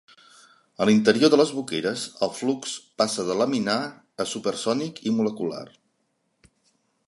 A l'interior de les boqueres, el flux passa de laminar a supersònic i molecular.